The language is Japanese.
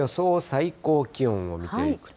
最高気温を見ていくと。